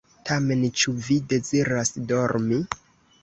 Tamen, ĉu vi deziras dormi?